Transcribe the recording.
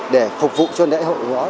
để phục vụ cho lễ hội đó